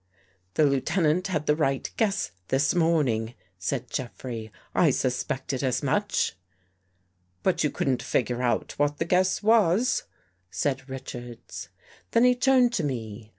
The Lieutenant had the right guess this morn ing," said Jeffrey. " I suspected as much." " But you couldn't figure out what the guess was," said Richards. Then he turned to me.